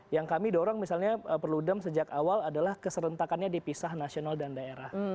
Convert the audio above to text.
yang kami dorong misalnya perludem sejak awal adalah keserentakannya dipisah nasional dan daerah